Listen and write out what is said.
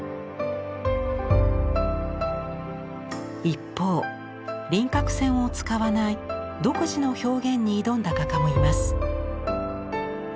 一方輪郭線を使わない独自の表現に挑んだ画家もいます。